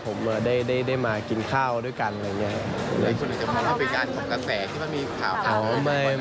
แบบมันได้มากินข้าวด้วยกันอย่างนี้